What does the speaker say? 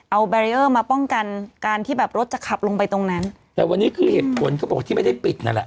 เอาแบรีเออร์มาป้องกันการที่แบบรถจะขับลงไปตรงนั้นแต่วันนี้คือเหตุผลเขาบอกที่ไม่ได้ปิดนั่นแหละ